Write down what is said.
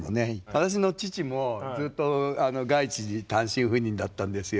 私の父もずっと外地に単身赴任だったんですよ。